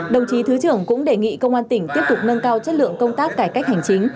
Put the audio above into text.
đồng chí thứ trưởng cũng đề nghị công an tỉnh tiếp tục nâng cao chất lượng công tác cải cách hành chính